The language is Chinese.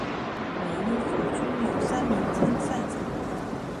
每一组均有三名参赛者。